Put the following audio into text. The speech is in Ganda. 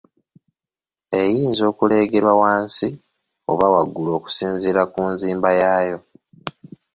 Eyinza okuleegerwa wansi oba waggulu okusinziira ku nzimba yaayo.